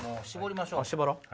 絞ろう！